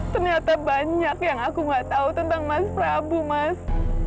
ternyata banyak yang aku nggak tahu tentang mas prabu mas